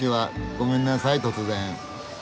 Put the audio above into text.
ごめんなさい突然。